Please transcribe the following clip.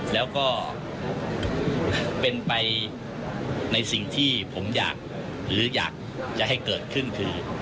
แล้วก็เป็นไปในสิ่งที่ผมอยากหรืออยากจะให้เกิดขึ้นคือ